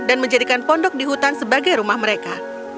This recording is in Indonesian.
dan menjadikan pondok di hutan sebagai rumah mereka